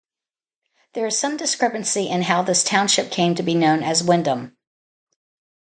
There is some discrepancy in how this township came to be known as Windham.